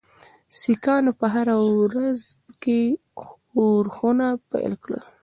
سیکهانو په هره برخه کې ښورښونه پیل کړل.